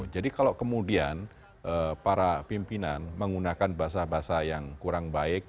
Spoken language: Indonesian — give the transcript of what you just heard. jadi kalau kemudian para pimpinan menggunakan bahasa bahasa yang kurang baik